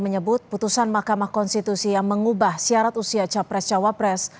menyebut putusan mahkamah konstitusi yang mengubah syarat usia capres cawapres